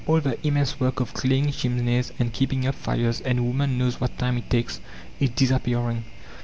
All the immense work of cleaning chimneys and keeping up fires and woman knows what time it takes is disappearing.